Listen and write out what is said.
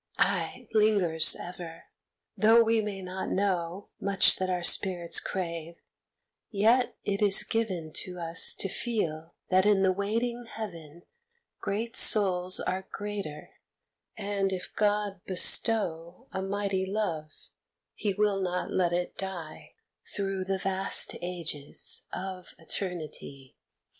Aye, lingers ever. Though we may not know Much that our spirits crave, yet is it given To us to feel that in the waiting Heaven Great souls are greater, and if God bestow A mighty love He will not let it die Through the vast ages of eternity.